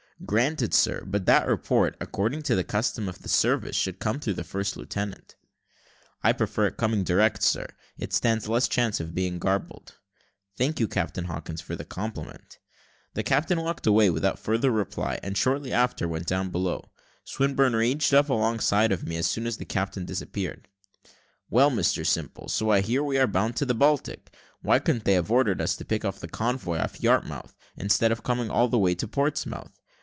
"Granted, sir; but that report, according to the custom of the service, should come through the first lieutenant." "I prefer it coming direct, sir; it stands less chance of being garbled." "Thank you, Captain Hawkins, for the compliment." The captain walked away without further reply, and shortly after went down below. Swinburne ranged up alongside of me as soon as the captain disappeared. "Well, Mr Simple, so I hear we are bound to the Baltic. Why couldn't they have ordered us to pick the convoy off Yarmouth, instead of coming all the way to Portsmouth?